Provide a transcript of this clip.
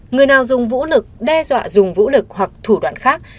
người nào dùng vũ lực đe dọa dùng vũ lực hoặc thủ đoạn khác